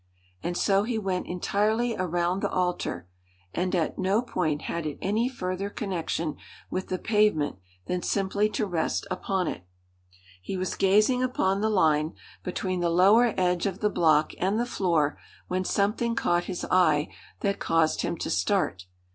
And so he went entirely around the altar; and at no point had it any further connection with the pavement than simply to rest upon it. He was gazing upon the line, between the lower edge of the block and the floor, when something caught his eye that caused him to start.